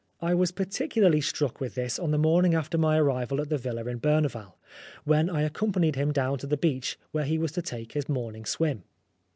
I was particularly struck with this on the morning after my arrival at the villa at Berneval, when I accom panied him down to the beach where he was to take his morning swim.